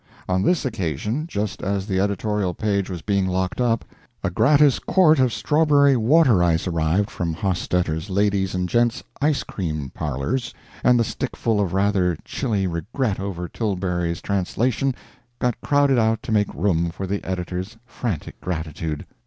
On this occasion, just as the editorial page was being locked up, a gratis quart of strawberry ice water arrived from Hostetter's Ladies and Gents Ice Cream Parlors, and the stickful of rather chilly regret over Tilbury's translation got crowded out to make room for the editor's frantic gratitude.